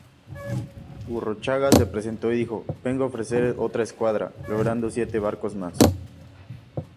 Gurruchaga se presentó y dijo "Vengo a ofrecer otra escuadra" logrando siete barcos más.